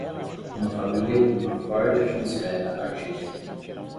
uma família com uma forte atmosfera artística